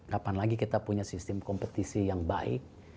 kapan lagi kita punya sistem kompetisi yang baik